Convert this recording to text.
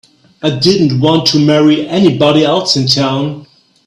I didn't want to marry anybody else in town.